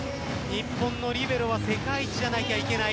日本のリベロは世界一じゃなきゃいけない